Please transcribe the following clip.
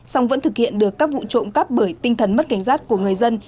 song vẫn thực hiện được các vụ trộm cắp bởi tinh thần mất cảnh giác của người dân